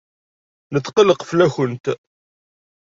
Netqelleq fell-akent.